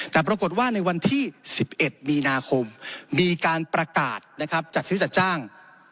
แต่ปรากฏว่าในวันที่๑๑มีนาคมมีการประกาศจัดซื้อจัดจ้าง